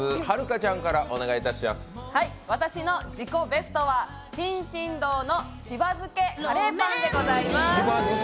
私の自己ベストは進々堂のしば漬カレーパンでございます。